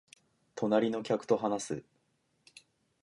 隣の客と話す